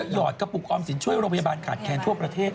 หอดกระปุกออมสินช่วยโรงพยาบาลขาดแคลนทั่วประเทศ